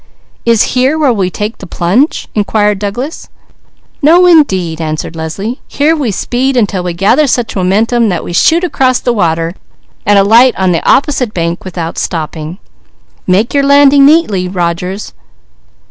"Is here where we take the plunge?" inquired Douglas. "No indeed!" answered Leslie. "Here we speed until we gather such momentum that we shoot across the water and alight on the opposite bank without stopping. Make your landing neatly, Rogers!"